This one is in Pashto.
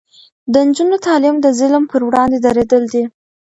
د نجونو تعلیم د ظلم پر وړاندې دریدل دي.